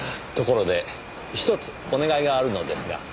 ところでひとつお願いがあるのですが。